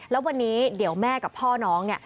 แล้ววันนี้เดี๋ยวแม่กับพ่อน้องเนี่ย